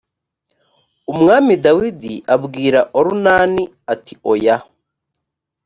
umwami dawidi abwira orunani ati oya